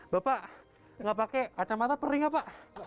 bapak nggak pakai kacamata perih nggak pak